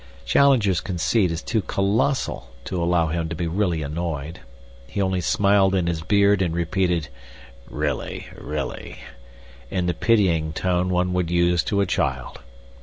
Challenger's conceit is too colossal to allow him to be really annoyed. He only smiled in his beard and repeated "Really! Really!" in the pitying tone one would use to a child.